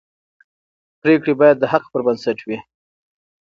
پرېکړې باید د حق پر بنسټ وي